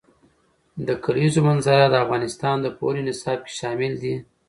د کلیزو منظره د افغانستان د پوهنې نصاب کې شامل دي.